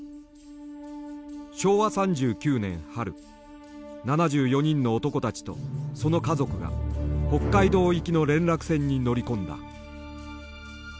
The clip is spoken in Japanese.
昭和３９年春７４人の男たちとその家族が北海道行きの連絡船に乗り込んだ。